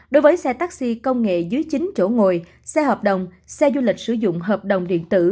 đối với xe taxi công nghệ dưới chín chỗ ngồi xe hợp đồng xe du lịch sử dụng hợp đồng điện tử